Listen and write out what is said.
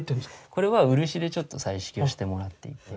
これは漆でちょっと彩色をしてもらっていて。